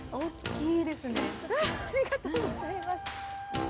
ありがとうございます。